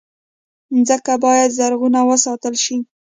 مځکه باید زرغونه وساتل شي.